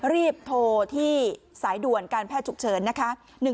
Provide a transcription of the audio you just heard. รีบโทรที่สายด่วนการแพทย์ฉุกเฉินนะคะ